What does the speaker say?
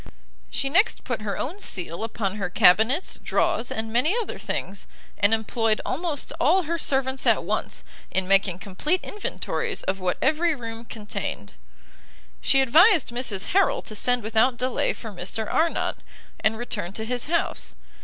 She next put her own seal upon her cabinets, draws, and many other things, and employed almost all her servants at once, in making complete inventories of what every room contained. She advised Mrs Harrel to send without delay for Mr Arnott, and return to his house.